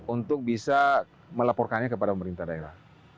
untuk bisa melaporkannya kepada pemerintah daerah